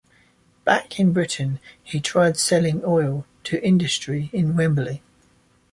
Back in Britain he tried selling oil to industry in Wembley.